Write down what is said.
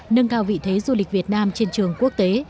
nâng cao vị thế du lịch việt nam trên trường quốc tế